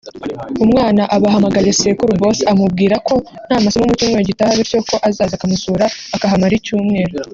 umwana aba ahamagaye sekuru (boss) amubwira ko nta masomo mu cyumweru gitaha bityo ko azaza akamusura akahamara icyumweru